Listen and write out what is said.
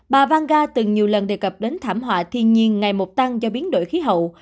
bà vang từng nhiều lần đề cập đến thảm họa thiên nhiên ngày một tăng do biến đổi khí hậu